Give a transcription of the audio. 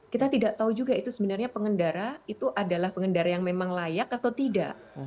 kita tidak tahu juga itu sebenarnya pengendara itu adalah pengendara yang memang layak atau tidak